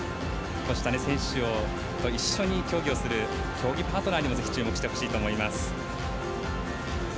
こうした選手と一緒に競技をする競技パートナーにもぜひ、注目してもらいたいと思います。